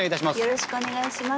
よろしくお願いします！